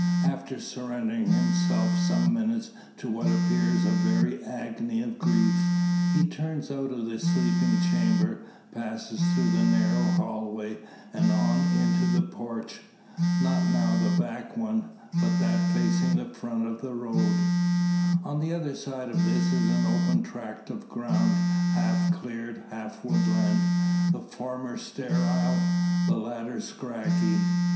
After surrendering himself some minutes to what appears a very agony of grief, he turns out of the sleeping chamber; passes through the narrow hall way; and on into the porch. Not now the back one, but that facing front to the road. On the other side of this is an open tract of ground, half cleared, half woodland; the former sterile, the latter scraggy.